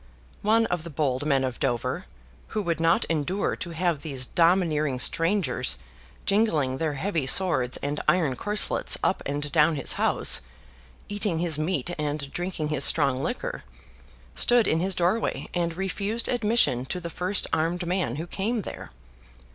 One of the bold men of Dover, who would not endure to have these domineering strangers jingling their heavy swords and iron corselets up and down his house, eating his meat and drinking his strong liquor, stood in his doorway and refused admission to the first armed man who came there.